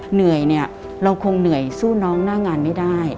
เหนื่อยเนี่ยเราคงเหนื่อยสู้น้องหน้างานไม่ได้